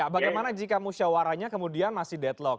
bagaimana jika musyawaranya kemudian masih deadlock